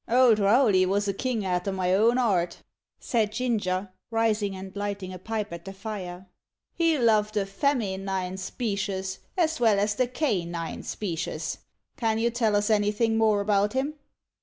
"Old Rowley wos a king arter my own 'art," said Ginger, rising and lighting a pipe at the fire. "He loved the femi nine specious as well as the ca nine specious. Can you tell us anythin' more about him?"